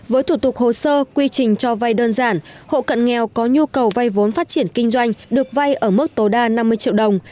với thủ tục hồ sơ quy trình cho vay đơn giản hộ cận nghèo có nhu cầu vay vốn phát triển kinh doanh được vay ở mức tối đa năm mươi triệu đồng